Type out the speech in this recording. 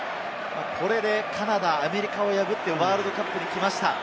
これでカナダ、アメリカを破ってワールドカップに来ました。